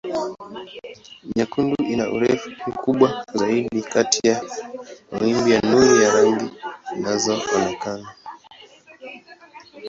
Nyekundu ina urefu mkubwa zaidi kati ya mawimbi ya nuru ya rangi zinazoonekana.